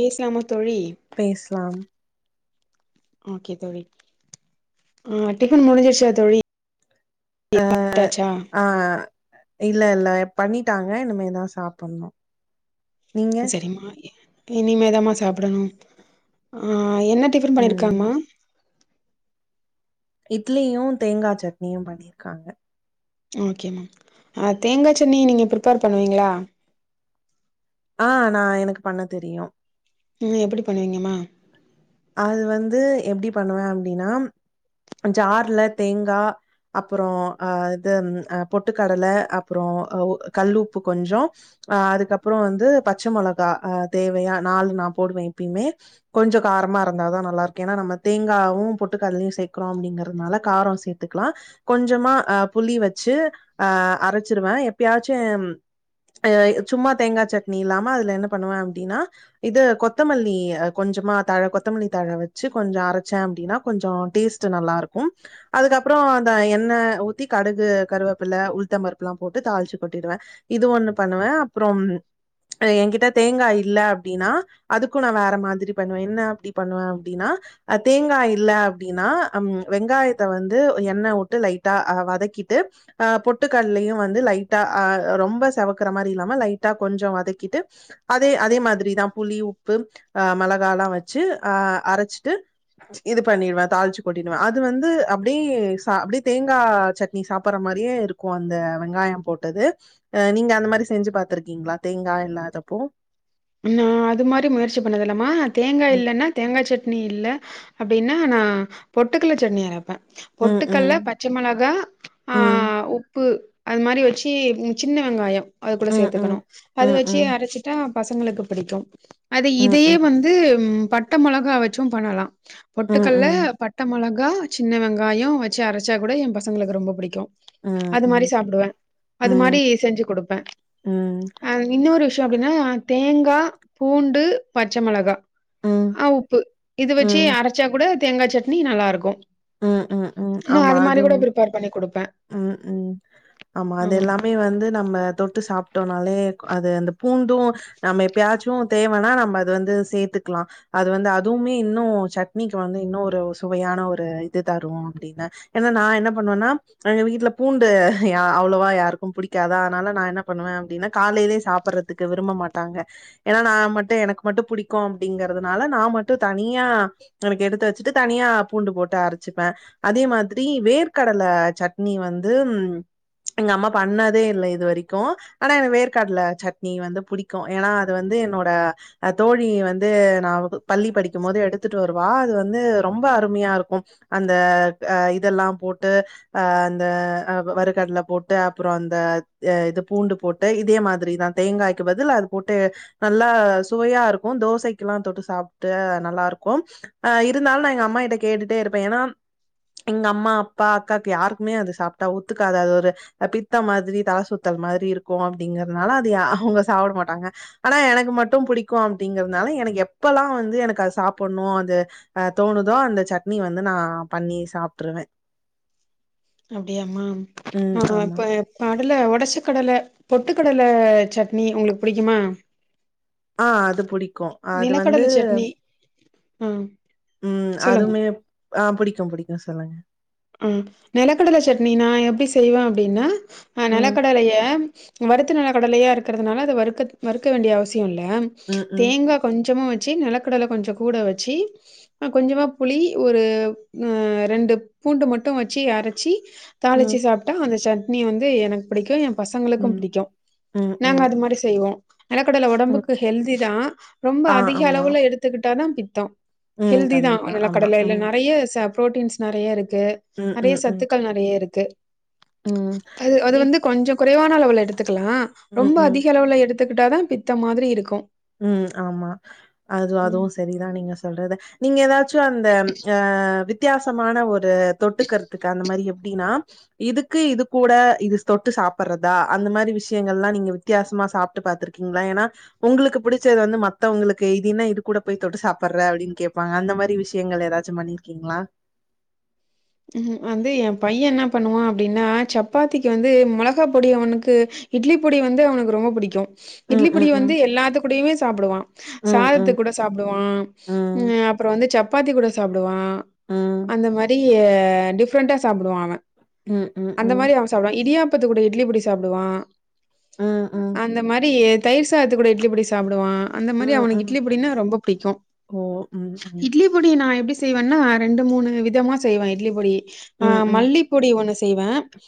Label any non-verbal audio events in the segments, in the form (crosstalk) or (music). ஏ C அமரு பேஸ்லாம் okay தோழி ஆ டிஃபன் முடிஞ்சிருச்சா தோழி அ (inaudible) ச்சா ஆ இல்ல இல்ல பண்ணிட்டாங்க இனிமேதா சாப்புட்ணு நீங்க செரிமா இனிமே தாமா சாப்டணு ஆ அ என்ன டிஃபன் ம் பண்ணிருக்கமா இட்லியு தேங்கா சட்னியு பண்ணிருக்காங்க ஓகே மா ஆ தேங்கா சட்னி நீங்க பிரிப்பேர் பண்ணுவீங்ளா ஆ நா எனக்கு பண்ண தெரியு நீ எப்டி பண்ணுவீங்கமா அது வந்து எப்டி பண்ணுவே அப்டினா ஜார்ல தேங்கா அப்றோ ஆ இது அ பொட்டுக்கடல அப்றோ அ கல்லுப்பு கொஞ்சோ ஆ அதுக்கப்பற வந்து பச்ச மொளகா அ தேவையா நாலு நா போடுவே எப்பயுமே கொஞ்ச காரமா இருந்தாதா நல்லாருக்கு ஏனா நம்ம தேங்காவு பொட்டுக்கட்லயு சேக்குறோ அப்டிங்கிறதுனால கார சேத்துக்குலா கொஞ்சமா அ புளி வச்சு ஆ அரச்சிருவே எப்பயாச்சும் அ சும்மா தேங்கா சட்னி இல்லாம அதுல என்ன பண்ணுவே அப்டினா இது கொத்தமல்லி அ கொஞ்சமா தழ கொத்தமல்லித் தழ வச்சு கொஞ்ச அரச்சே அப்டினா கொஞ்சோ டேஸ்ட்டு நல்லா இருக்கு அதுக்கப்றோ வந் தா எண்ணெ ஊத்தி கடுகு கருவேப்பில்ல உள்தம்பருப்புலா போட்டு தாள்ச்சு கொட்டிருவே இது ஒன்னு பண்ணுவே அ அப்றம் அ எங்கிட்ட தேங்கா இல்ல அப்டினா அதுக்கு நா வேற மாதிரி பண்ணுவே என்ன அப்டி பண்ணுவே அப்டினா அ தேங்கா இல்ல அப்டினா அம் வெங்காயத்த வந்து எண்ணெ ண்ணெ வுட்டு லைட்டா ஆ வதக்கிட்டு ஆ பொட்டுக்கட்லயு வந்து லைட்டா ஆ ரொம்ப செவக்குற மாரி இல்லாம லைட்டா கொஞ்சொ வதக்கிட்டு அதே அதே மாதிரிதா புளி உப்பு அ மெளகாலா வச் ச்சு ஆ அரச்சிட்டு இது பண்ணிருவே தாள்ச்சு கொட்டினுவே அது வந்து அப்டியே சா அப்டியே தேங்கா சட்னி சாப்புட்ற மா மாரியே இருக்கு அந்த வெங்காயம் போட்டது அ நீங்க அந்த மாரி செஞ்சு பா்த்திருக்கீங்ளா தேங்கா இல்லாதப்ப போ ம்மா அது மாரி முயற்சி பண்ணதில்லமா தேங்கா ம் இல்லனா தேங்கா சட்னி இல்ல அப்டின்னா நா பொட்டுக்கட்ல சட்னி அரப்பே பொட்டுக்கட்ல பச்சை மொளகா ஆ உப்பு அது மாரி வச்சு ம் சின்ன வெங்காயம் அதுக்கூட சேத்துக்கணு அது வச்சு அரச்சிட்டா பசங்களுக்கு பிடிக்கு அது இதையே வந்து ம் பட்ட மொளகா வச்சும் பண்ணலா பொட்டுக்கட்ல பட்ட மொளகா சின்ன வெங்காயோ வச்சு அரச்சா கூட எ பசங்களுக்கு ரொம்ப பிடிக்கு அது மாரி சாப்டுவே அது மாரி செஞ்சு குடுப்பே அ இன்னொரு விஷ்யோ அப்டினா தேங்கா பூண்டு பச்ச மொளகா ஆ உப்பு இது வச்சு அரச்சா கூட தேங்கா சட்னி நல்லா இருக்கு இல்னா அது மாரி கூட பிரிப்பேர் பண்ணி குடுக் ம் ம் ஆமா அது ஆமாமா. எல்லாமே வந்து நம்ம தொட்டு சாப் ட்டோனாலே அது அந்த பூண்டு நம்ம எப்பயாச்சு தேவனா நம்ப அது வந்து சேத்துக்லா அது வந்து அதுமே இன்னு சட்னிக்கு வந்து இன்ன ஒரு சுவையான ஒரு இது தரு அப்டின்னு ஏனா நா என்ன பண்ணுவேனா எங்க வீட்ல பூண்டு யா அவ்ளோவா யாருக்கு புடிக் க்காதா அதனால நா என்ன பண்ணுவே அப்டினா காலைலே சாப்புட்றத்துக்கு விரும்ப மாட்டாங்க ஏனா நா மட்டு எனக்கு மட் டு புடிக்கு அப்டிங்கறதுனால நா மட்டு தனியா எனக்கு எடுத்து வச்சுட்டு தனியா பூண்டு போட்டு அரச் சுப்பே அதே மாதிரி வேர்க்கடல சட்னி வந்து ம் எங்க அம்மா பண்ணதே இல்ல இது வரைக்கு ஆனா எனக்கு வேர்கட்ல சட்னி வந்து புடிக்கு ஏனா அது வந்து து என்னோட அ தோழி வந்து நா பள்ளி படிக்கும் போது எடுத்துட்டு வருவா அது வந்து ரொம்ப அருமையாருக்கு அந்த அ இதெல்லா போட்டு அ அந்த அ வறுக்கட்ல போட்டு அப்றோ அந்த ஏ இது பூண்டு போட்ட இதே மாதிரிதா தேங்காய்க்கு பதில் அது போட்டு நல்லா சுவையா ருக்கு தோசைக்கெல்லா தொட்டு சாப்ட்டு நல்லாருக்கும் அ இருந்தாலு நா எங்க அம்மாட்ட கேட்டுட்டேருப் ப எனா எங்க அம்மா அப்பா அக்காக்கு யாருக்குமே அது சாப்ட்டா ஒத்துக்காது அது ஒரு பித்த மாதிரி தல சுத்தல் மாரி இருக்கு அப்டிங்கிறனால அது யா அவுங்க சாப்ட மாட்டாங்க ஆனா எனக்கு மட்டு புடிக்கு அப்டிங்கிறனால எனக்கு எப்பல்லா வந்து எனக்கு அத சாப்பட்ணோ அது அ தோணுதோ அந்த சட்னி வந் து நா பண்ணி சாப்ட்டுருவ அப்டியாமா அ ஆமா இப்ப பாட் டுல ஒடச்ச கடல பொட்டு கடல சட்னி உங்ளுக் புடிக்குமா அ அது புடிக்கு அது வந்து நிலக்கடல சட்னி ஆ ம் சொல்லுங்க. அதுமே அ புடிக்கு புடிக்கு சொல்லுங்க ம் நெலக்கடல சட்னி நா எப்டி செய்வே அப்டின்னா அ ம் நெலக்கடலைய வறுத்து நெலக்கடலையா இருக்கறதுனால அது வறுக்க வறுக்க வேண்டிய அவசி யே இல்ல ம் ம் தேங்கா கொஞ்சமு வச் சி நெலக்கடல கொஞ்சோ கூட வெச்சி கொஞ்சமா புளி ஒரு ரெண்டு பூண்டு மட்டு வெச்சி அரச்சி ம் தாளிச்சி சாப்ட்டா அந்த சட்னி வந்து எனக் புடிக்கு ஏ பசங்களுக்கு ம் புடிக்கு ம் நாங்க ம் அது மாரி செய்வோ நெலக்கடல ம் ஒடம்புக்கு ஹெல்தி தா ரொம்ப ஆ அதிக ஆமா அளவுல எடுத்துக்கிட்டாதா பித்தோ ம் ஹெல்தி தா கண்டிப்பா ஆமா நெலக்கடல இல்ல ம் நெறய சே ப்ரோட்டீன்ஸ் நெறையருக்கு ம் அதே ம் ம் சத்துக்கள் நெறையருக்கு ம் அது அது இப் வந்து கொஞ்சோ கொறைவான அளவுல எடுத்துக்கலா ம் ரொம்ப ம் அதிக அளவுல எடுத் துக்கிட்டாதா பித்தோ மாதிரி இருக்கு ம் ஆமா அது ம். அதுவு செரிதா நீங்க சொல்றது நீங்க எதாச்சு அந்த அ அ வித் தியாசமான ஒரு தொட்டுகருத்துக்கு அந்த மாரி எப்டின்னா இதுக்கு இது கூட இது தொட்டு சாப்ற்றதா அந்த மாதிரி விஷயங்கல்லா நீங்க வித்யாசமா சாப்ட்டு பாத்துருக்கீங்களா ஏன்னா உங்களுக் புடிச்சது வந்து மத்தவங்களுக்கு இதுன்னா இது கூட போய் தொட்டு சாப்ளற்ற அப்டின் கேப்பாங்க அந்த மாரி விஷயங்கள் ஏதாச்சு பண்ணிறு கீங்ளா ம் வந்து எ பைய என்ன பண்ணுவா அப்டின்னா சப்பாத்திக்கு வந்து மொளகா பொடி அவனுக்கு இட்லி பொடி வந்து அவனுக்கு ரொம்ப புடிக்கு இட்லி ம், பொடி ம், ம். வந்து எல்லாத்துக் குடையுமே சாப்டுவா ம், சாதத்து ம். கூட சாப்டுவா ம் அப் அப்றோ வந்து சப்பாத்தி கூட சாப்டுவா ம். அந்த மாரி டிஃப்ரெண்ட்டா சாப்டுவா அவ ம், ம், அந்த ம். மாரி அவ சாப்டுவா இடியாப்பத்து கூட இட்லி பொடி சாப்டுவா ம், ம். அந்த மாரி தயிர் சாதத்து கூட இட்லி பொடி சாப்டுவா அந்த மாரி ம், அவனுக்கு ம். இட்லி பொடினா ரொம்ப புடிக்கு ஓ! ம், ம். இட்லி பொடி நா எப்டி செய்வன்னா ரெண்டு மூணு விதமாக செய்வ இட்லி பொடி அ ம், ம். மல்லிப்பொடி ஒண்ணு செய்வ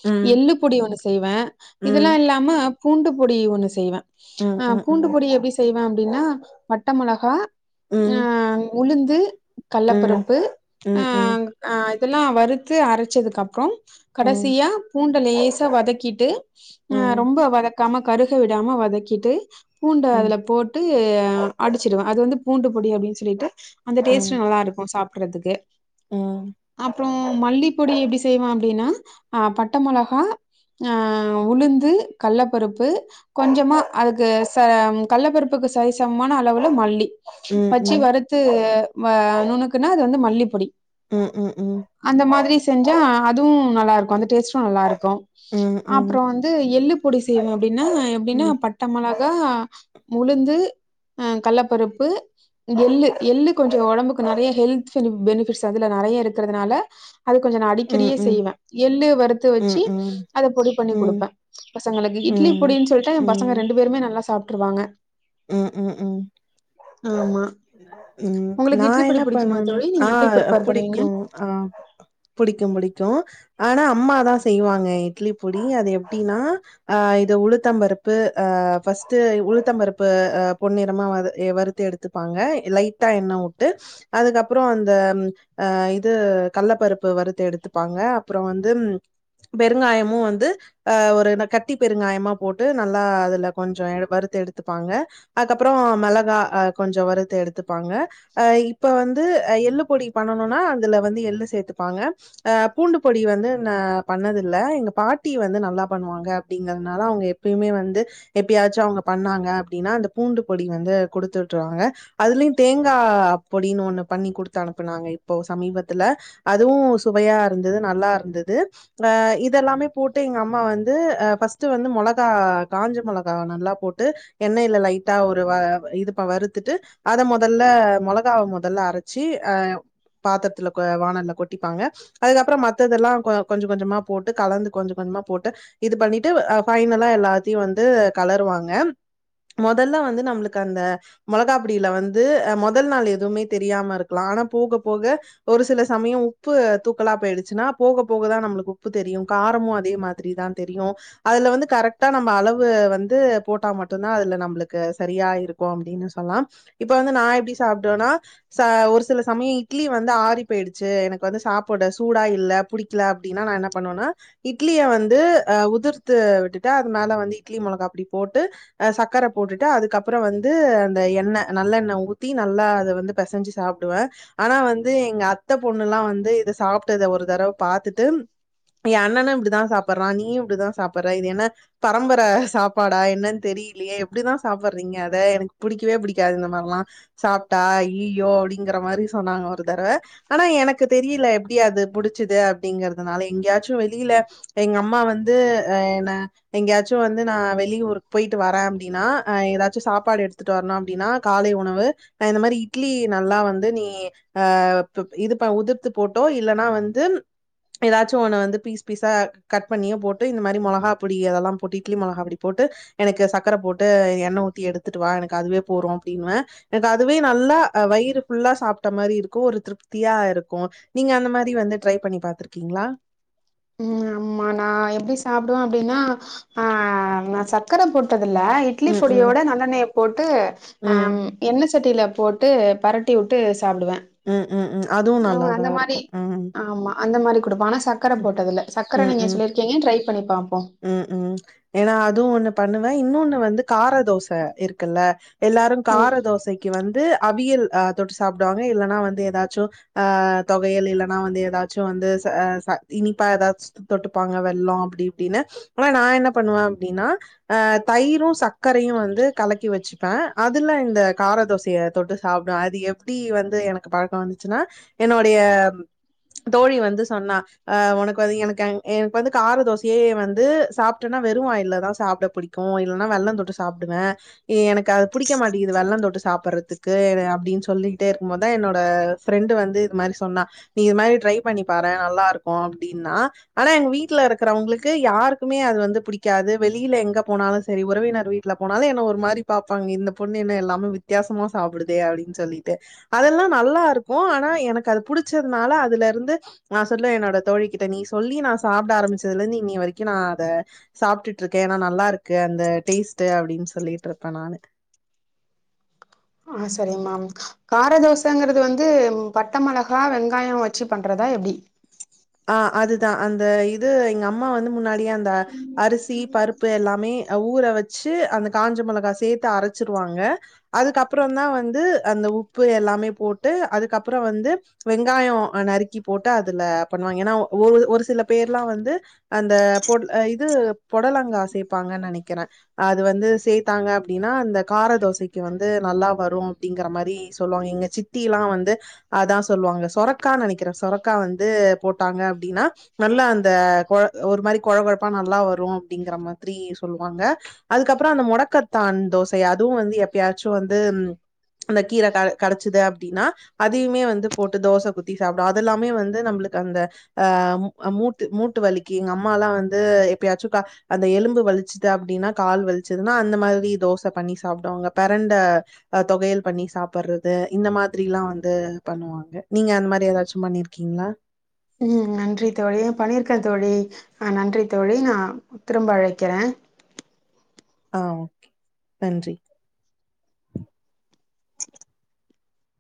ம். எள்ளு பொடி ஒண்ணு செய்வ ம். இதெல்லா இல்லாம பூண்டு பொடி ஒண்ணு செய்வ ம், அ ம், ம். பூண்டு பொடி எப்டி செய்வ அப்டின்னா பட்ட மொளகா அ உளுந்து கல்ல பருப்பு அ அ இதெல்லா வறுத்து அரைச்சதுக்கப்றம் கடசியா பூண்ட லேசா வதக்கிட்டு அ ரொம்ப வதக்காம கருக விடாம வதக்கிட்டு பூண்ட அதுல போட்டு அ அடிச்சிடுவ அது வந்து பூண்டு பொடி அப்டின் சொல்லிட்டு அந்த டேஸ்ட்டு நல்லாருக்கோ சாப்புட்றதுக்கு அப்புறோ மல்லிப்பொடி எப்டி செய்வ அப்டின்னா அ பட்ட மொளகா அ உளுந்து கல்லப்பருப்பு கொஞ்சமா அதுக்கு ச கல்லப்பருப்புக் கு சரிசமமான அளவுல மல்லி வெச்சி வறுத்து வ நுணுக்குன்னா அது வந்து மல்லிப்பொடி ம் ம் ம் அந்த மாதிரி செஞ்சா அதுவு நல்லாருக்கோ அந்த டேஸ்டு நல்லாருக்கோ அப்புறோ வந்து எள்ளு பொடி செய்வோ அப்டின்னா எப்டின்னா பட்ட மொளகா உலுந்து அ கல்லப்பருப்பு எள்ளு எள்ளு கொஞ்சோ ஒடம்புக்கு நெறைய ஹெல்த் பெனிஃபிட்ஸ் அதுல நெறைய இருக்குறதுனால அது கொஞ்ச நா அடிக்கடியே செய்வ எள்ளு வறுத்து வச்சி அத பொடி பண்ணி ம், குடுப்ப பசங்களுக்கு ம், இட்லி பொடின் சொல்லிட்ட எ பசங்க ரெண்டு பேருமே நல்லா சாப்ட்ருவாங்க ம் ம் ம் ஆமா ம் உங்களுக்கு நா இட்லி பொடி என்ன புடிக்குமா பண்ணுவனா தோழி ஆ நீங்க எப்டி ப்ரிப்பேர் பண்ணுவீங்க புடிக்கு ஆ புடிக்கும் புடி ஆனா அம்மா தா செய்வாங்க இட்லி பொடி அது எப்டினா அ இத உளுத்தம்பரு பு அ ஃபஸ்ட்டு ஆ ஃபஸ்ட்டு உளுத்தம்பருப் பு அ பொன்னிறமா வத எ வறுத்து எடுத்துப்பாங்க லைட்டா எண்ண உட்டு அதுக்கப்ரொ அந்த அம் அ இது கள்ளப்பருப்பு வறுத்து எடுத்துப்பாங்க அப்ரொ வந்து பெருங்காயமு வந்து அ ஒரு ந கட்டி பெருங்காயமா போட்டு நல்லா அதுல கொஞ்சொ எடு வருத்தெடு துப்பாங்க அக்கப்ரொ மொளகா கொஞ்சொ வருத்து எடுத்துப்பாங்க அ இப்ப வந்து எள்ளு பொடி பண்ணணுனா அதுல வந்து எள்ளு சேத்துப்பாங்க அ பூண்டு பொடி வந்து ந பண்ணதுல்ல எங்க பாட்டி வந்து நல்லா பண்ணுவாங்க அப்டிங்கற்னால அவுங்க எப்பியுமே வந்து எப்பியாச்சு அவுங்க பண்ணாங்க அப்டினா அந்த பூண்டு பொடி வந்து குடுத்துவிட்ருவாங்க அதலியு தேங்கா பொடினு ஒன்னு பண்ணி குட் குடுத் அனுப்புனாங்க இப்போ சமீபத்துல அதுவு சுவையா இருந்துது நல்லார்ந்துது அ இதெல்லாமே போட்டு எங்க அம்மா வந்து அ ஃபஸ்ட்டு வந்து மொளகா காஞ்ச மொளகா நல்லா போட்டு எண்ணயில லைட்டா ஒரு வ இதுப்பா வருத்துட்டு அத மொதல்ல மொளகாவ மொதல்ல அரைச்சி அ பாத்தர்த்துல கோ வான்ல்ல கொட்டிப்பாங்க அதுக்கப்ற மத்ததெல்லா கொ கொஞ்சு கொஞ்சமா போட்டு கலந்து கொஞ்சு கொஞ் உம்ம போட்டு இது பண்ணிட்டு அ பைனலா எல்லாத்யு வந்து கலருவாங்க மொதல்ல வந்து நம்ளுக்கு அந்த மொளகாப்டில வந்து மொதல் நாள் எதுமே தெரியாம இருக்லா ஆனா போக போக ஒரு சில சமயொ உப்பு தூக்கலா பேய்டுச்சினா போக போகதா நம்ளுக்கு உப்பு தெரியு காரமு அதே மாதுரி தா தெரியு அதுல வந்து கரக்டா நம்ம அளவு வந்து போட்டாமட் டுதா அதுல நம்ளுக்கு சரியா இருக்கு அப்டினு சொல்லா இப்ப வந்து நா எப்டி சாப்டுவனா ச ஒரு சில சமய இட்லி வந்து ஆரி பேய்டுச்சு எனக்கு வந்து சாப்புட சூடா இல்ல புடிக்ல அப்டினா நா என்ன பண்ணுவ அனா இட்லிய வந்து அ உதுர்த்து விட்டுட்டு அதுமேல வந்து இட்லி மொளகாப்டி போட்டு சக்கர போட்டுட்டு அதுக்கப்ற வந்து அந்த எண்ண நல்லெண்ண ஊத்தி நல்லா அத வந்து பெசஞ்சி சாப் டுவ அனா வந்து எங்க அத்த பொண்ணுலா வந்து இத சாப்ட்டத ஒரு தரவ பாத்துட்டு ஏ அண்ணனு இப்டுதா சாப்புற்றா நீயு இப்டிதா சாப்பற இது என்ன பரம்பர சாப்பாடா என்னன் தெரிய் லியே எப்டிதா சாப்பற்றீங்க அத எனக் புடிக்கவே புடிக்காது இந்த மார்லா சாப்ட்டா இய்யியோ அவ்டிங்கற (unintelligible) மாரி சொன்னாங்க ஒரு தரவ அனா எனக்கு தெரியில எப்டி அது புடுச்சிது அப்டிங்கற்துனால எங்யாச்சு வெளில எங்க அம்மா வந்து அ என எங்யாச்சு வந்து நா வெளியூர்க் போய் டு வர அப்டினா அ ஏதாச்சு சாப்பாடு எடுத்துட்டு வர்னு அப்டினா காலை உணவு அ இந்த மேரி இட்லி நல் வந்து நீ அ பு இதுப உதுர்த்து போட்டோ இல்லனா வந்து ஏதாச்சு ஒன்ன வந்து பீஸ் பீஸா கட் பண்ணியோ போட்டு இந்த மாரி மொளகாப்புடி அதெல்லாம் போட்டு இட்லி மொளகாப்பொடி போட்டு எனக்கு சக்கர போட்டு எண்ண ஊத்தி எடுத்துட்டு வா எனக்கு அதுவே போறு அப்டின்வ எனக்கு அதுவே நல்லா அ வை தயிறு இஃபுல்லா சாப்ட்ட மாரி இருக்கு ஒரு திருப்தியா இருக்கு நீங்க அந்த மாரி வந்து ட்ரை பண்ணி பாத்ருக்கீங்ளா ம் ஆமா நா எப்டி சாப்டுவ அப்டினா ஆ நா சர்க்கர போட்டு டதுல இட்லி ம், ம், பொடியோட நல்லண்ணய போட்டு ம், சட்டில போட்டு பெரட்டி உட்டு சாப்டுவ ம் ம் ம் அதுவு நல்லாதா இருக்கு ம் ஆமா அந்த மாரி கொடுப்ப ஆனா சக்கர போட்டதுல்ல சக்கர ம், நீங்க ம், சொல்லிர்க்கீங்க ட்ரை பண்ணி பாப்போ ம் ம் ஏனா அதுவு ஒன்னு பண்ணுவ இன்னொன்னு வந்து காரதோச இருக்குல்ல எல்லாரு ம் கார தோசக்கி வந் து அவியல் அ தொட்டு சாப்டுவாங்க இல்லன்னா வந்து ஏதாச்சு அ தொவயல் இல்லனா வந்து ஏதாச்சு ந்து ச ச இனிப்பா ஏதாச் தொட்டுப்பாங்க வெல்லொ அப்டி இப்டினு (unintelligible) நா என்ன பண்ணுவ அப்டினா அ தயிரும் சக்கரையு வந்து கலக்கி வச்சுப்ப அதுல இந்த கார தோசய தொட்டு சாப்டுவ அதிய எப்டி வந்து எனக்கு பழக்கொ வந்துச்சினா என்னோட்ய தோழி வந்து சொன்னா அ உனக்கு வந் எனக்கங் எனக்கு வந்து கார தோசையே வந்து சாப்ட்டெனா வெறு வாயில தா சாப்ட புடிக்கு கு இல்லனா வெள்ளந்தொட்டு சாப்டுவே எனக்கு அது புடிக்க மாட்டுது வெள்ளந் தொட்டு சாப்டுறதுக்கு அப்டின்னு சொல்லிக்கிட்டே இருக்கும் போதா என்னோட பிரண்ட் வந்து இது மாரி சொன்னா நீ இது மாரி ட்ரை பண்ணி பாரே நல்லா இருக் கு அப்டினா ஆனா எங்க வீட்ல இருக்றவங்ளுக்கு யாருக்குமே அது வந்து புடிக்காது வெளியில எங்க போன லு செரி உறவினர் வீட்ல போனாலு என்ன ஒரு மாரி பாப்பாங்க இந்த பொண்ணு என்ன எல்லாமே வித்யாசம சாப்டுதே அப்டின்னு சொல் சொல்லிட்டு அதெல்லா நல்லா இருக்கு ஆனா எனக்கு அது புடுச்சதுனால அதுல இருந்து நா சொன்னே என்னோட தோழிக்கிட்ட நீ சொல்லி நா சாப்ட ஆரம்பச்சதுலருந்து இன்னைய வரைக்கு நா அத சாப்டுடிற்கே ஏனா நல்லா இருக்கு அந்த டேஸ்டு அப்டின்னு சொல்லிட்டு இருப்பே நானு ஆஹ் சரிங்க மேம் காரதோசைங்கறது வந்து பட்ட மிளகா வெங்காயம் வச்சு பண்றதா (unintelligible) எப்டி ஆஹ் அதுதா அந்த இது எங்க அம்மா வந்து முன்னாடியே அந்த அரிசி பருப்பு எல்லாமே ஊற வச்சு அந்த காஞ்ச மிளகா சேத்து அரச்சிருவாங்க அதுக்கப்றோ தா வந்து அந்த உப்பு எல்லாமே போட்டு அதுக்கப்றோ வந்து வெங்காயோ நறுக்கி போட்டு அதுல பண்ணுவாங்க ஏன்னா ஒரு ஒரு சில பேர்லா வந்து அந்த பொட் இது பொடலங்க சேப்பாங்க நெனைக்கிறே அது வந்து சேத்தாங்க அப்டின்னா அந்த கார தோசைக்கு வந்து நல்லா வரு அப்டிங்கிற மாரி சொல்லுவாங்க எங்க சித்திலா வந்து அதா சொல்லுவாங்க சொரக்கானு நெனைக்கிறே சொரக்கா வந்து போட்டாங்க அப்டினா நல்லா அந்த கொழ ஒரு மாரி கொழ கொழப்பா நல்லா வரும அப்டிங்கற மாதிரி சொ ல்லுவாங்க அதுக்கப்றோ அந்த முடக்கத்தான் தோசை அதுவும் வந்து எப்பயாச்சு வந்து அந்த கீர க கெடச்சுது அப்டினா அதையுமே வந்து போட்டு தோச குத்தி சாப்டோ அதெல்லாமே வந்து நம்ளுக் அந்த அ மூ மூட்டு மூட்டு வலிக்கு எங்க அம்மாலா வந்து எப்பாச்சுக்கா அந்த எலும்பு வலி கால் வலிச்சுது அப்டினா கால் வலிச்சது அந்த மாரி தோச பண்ணி சாப்டுவாங்க பிரண்ட துவையல் பண் ணி சாப்றது இந்த மாதிரிலா வந்து பண்ணுவாங்க நீங்க அந்த மாதிரி ஏதாச்சு பண்ணிருக்கீங்களா ம் நன்றி தோழி பன்னீருக்கே தோழி ஆஹ் நன்றி தோழி நா திரும்ப அழைக்கிறே ஆஹ் ஓகே நன்றி